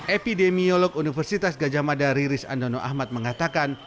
epidemiolog universitas gajah mada riris andono ahmad mengatakan